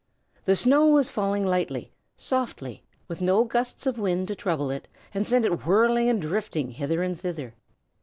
The snow was falling lightly, softly, with no gusts of wind to trouble it and send it whirling and drifting hither and thither.